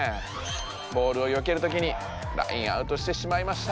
ボールをよけるときにラインアウトしてしまいました。